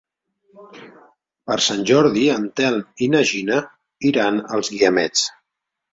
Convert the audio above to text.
Per Sant Jordi en Telm i na Gina iran als Guiamets.